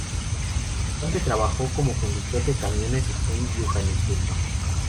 Su padre trabajó como conductor de camiones en Johannesburgo.